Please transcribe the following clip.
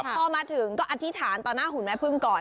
พอมาถึงก็อธิษฐานต่อหน้าหุ่นแม่พึ่งก่อน